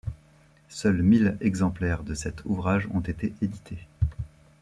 Seuls mille exemplaires de cet ouvrage ont été édités.